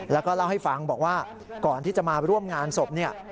แล้วก็เล่าให้ฟังบอกว่าก่อนที่จะมาร่วมงานศพเนี่ย